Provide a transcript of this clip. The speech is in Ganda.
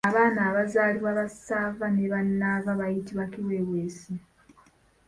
Abaana abazaalibwa bassaava ne bannaava bayitibwa Kiweeweesi.